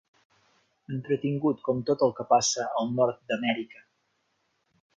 Entretingut com tot el que passa al nord d'Amèrica.